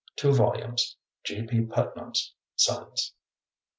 Two volumes. G. P. Putnam's Sons.